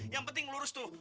yang penting lurus tuh